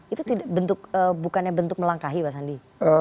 itu bukannya bentuk melangkahi pak sandi